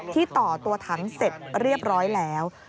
ต่อตัวถังเสร็จเรียบร้อยแล้ว